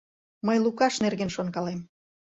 Мый Лукаш нерген шонкалем.